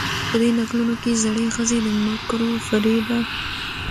په دې نکلونو کې زړې ښځې د مکرو و فرېبه